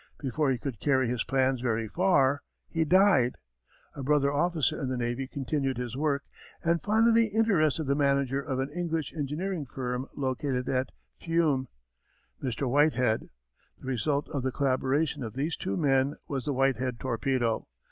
Before he could carry his plans very far he died. A brother officer in the navy continued his work and finally interested the manager of an English engineering firm located at Fiume, Mr. Whitehead. The result of the collaboration of these two men was the Whitehead torpedo.